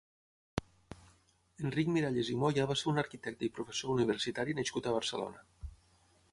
Enric Miralles i Moya va ser un arquitecte i professor universitari nascut a Barcelona.